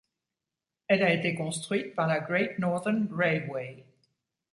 Elle a été construite par la Great Northern Railway.